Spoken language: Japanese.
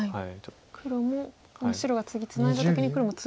黒も白が次ツナいだ時に黒もツグ。